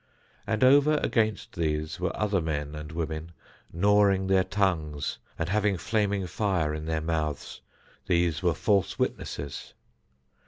And over against these were other men and women gnawing their tongues and having flaming fire in their mouths. These were false witnesses.